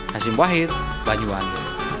hasim wahid banyuang